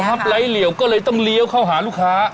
โกฮับไล่เหลวก็เลยต้องเลี้ยวเข้าหาลูกค้า